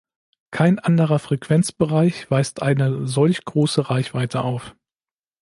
Kein anderer Frequenzbereich weist eine solch große Reichweite auf.